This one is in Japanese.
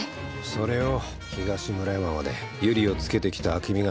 それを東村山まで百合をつけてきた暁美が見て。